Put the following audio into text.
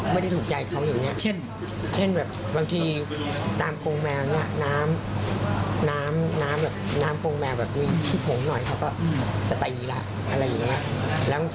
ไม่ได้ถูกใจเขาอย่างเช่นบางทีถามโค้งแมวนี้น้ำโค้งแมวแบบมีพริกหงรบจะตายแล้ว